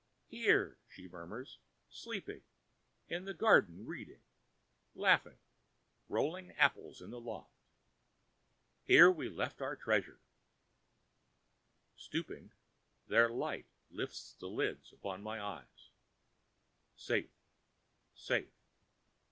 "Here," she murmurs, "sleeping; in the garden reading; laughing, rolling apples in the loft. Here we left our treasure—" Stooping, their light lifts the lids[Pg 7] upon my eyes. "Safe! safe!